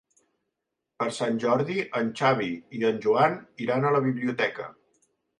Per Sant Jordi en Xavi i en Joan iran a la biblioteca.